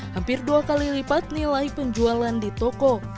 hampir dua kali lipat nilai penjualan di toko